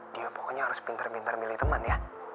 dio pokoknya harus pinter pinter milih temen ya